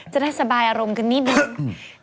จะได้สบายอารมณ์กันนิดนึง